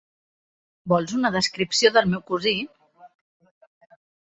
Vols una descripció del meu cosí?